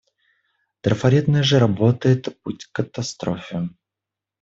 Трафаретная же работа — это путь к катастрофе.